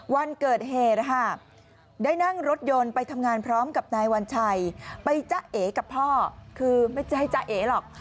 วันเกิดเหตุได้นั่งรถยนต์ไปทำงานพร้อมกับนายวัญชัยไปจ้าเอกับพ่อคือไม่ใช่จ้าเอ๋หรอก